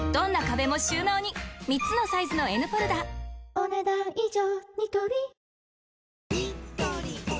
お、ねだん以上。